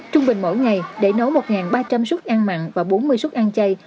trung bình mỗi ngày để nấu một ba trăm linh suất ăn mặn và bốn mươi suất ăn chay